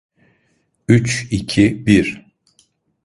Üç, iki, bir.